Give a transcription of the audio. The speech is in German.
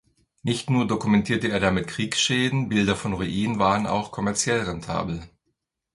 Nicht nur dokumentierte er damit Kriegsschäden, Bilder von Ruinen waren auch kommerziell rentabel.